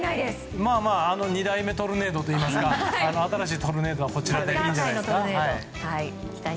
まあ、２代目トルネードというか新しいトルネードはこちらでいいんじゃないんですか。